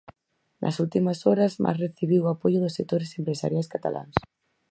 Nas últimas horas Mas recibiu o apoio dos sectores empresariais cataláns.